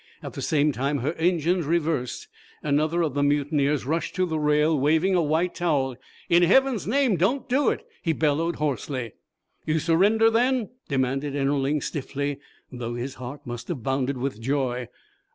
At the same time her engines reversed. Another of the mutineers rushed to the rail, waving a white towel. "In heaven's name, don't do it!" he bellowed, hoarsely. "You surrender, then?" demanded Ennerling, stiffly, though his heart must have bounded with joy.